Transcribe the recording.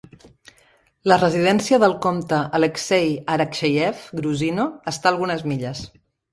La residència del comte Alexey Arakcheyev, Gruzino, està a algunes milles.